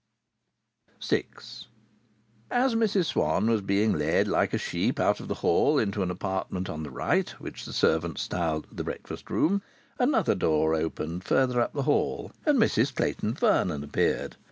VI As Mrs Swann was being led like a sheep out of the hall into an apartment on the right, which the servant styled the breakfast room, another door opened, further up the hall, and Mrs Clayton Vernon appeared.